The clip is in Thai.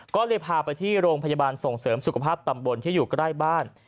ก็เลยพาไปที่โรงพยาบาลส่งเสริมสุขภาพตำบลที่อยู่ใกล้บ้าน